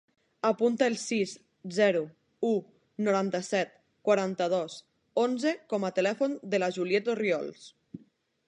Apunta el sis, zero, u, noranta-set, quaranta-dos, onze com a telèfon de la Juliet Orriols.